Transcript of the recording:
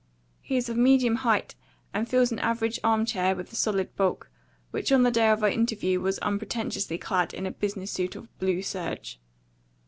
He is of medium height, and fills an average arm chair with a solid bulk, which on the day of our interview was unpretentiously clad in a business suit of blue serge.